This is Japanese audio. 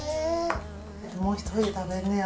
もう一人で食べんねや。